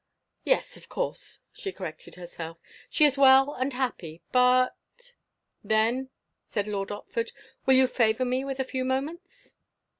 "Yes, of course," she corrected herself. "She is well and happy, but—" "Then," said Lord Otford, "will you favour me with a few moments?"